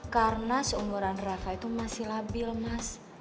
karena seumuran raka itu masih labil mas